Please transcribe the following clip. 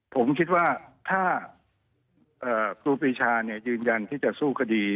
ผมคิดว่าถ้าครูปีชายืนยันที่จะสู้คดี